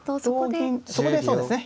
同銀そこでそうですね